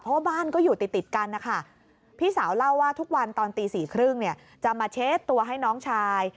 เพราะว่าบ้านก็อยู่ติดกันนะคะพี่สาวเล่าว่าทุกวันตอนตี๔๓๐เนี่ยจะมาเช็ดตัวให้น้องชาย